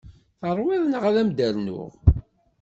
Teṛwiḍ neɣ ad m-d-rnuɣ?